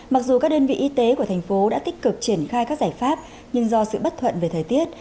mặc dù các đơn vị y tế của thành phố đã tích cực triển khai các giải pháp nhưng do sự bất thuận về thời tiết